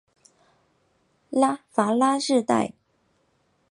戈拉日代。